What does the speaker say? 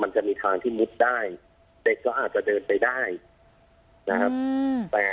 มันจะมีทางที่มุดได้เด็กก็อาจจะเดินไปได้นะครับ